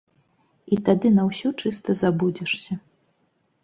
І тады на ўсё чыста забудзешся.